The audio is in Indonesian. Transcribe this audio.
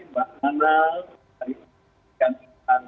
baik terima kasih mbak ana